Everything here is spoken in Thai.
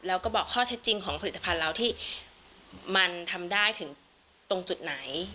แล้วก็บอกข้อเท็จจริงของผลิตภัณฑ์เราที่มันทำได้ถึงตรงจุดไหน